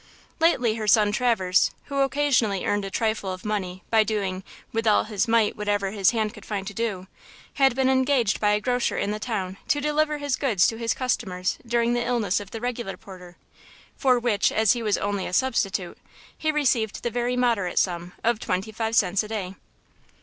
Lately her son, Traverse, who occasionally earned a trifle of money by doing "with all his might whatever his hand could find to do," had been engaged by a grocer in the town to deliver his goods to his customers during the illness of the regular porter; for which, as he was only a substitute, he received the very moderate sum of twenty five cents a day.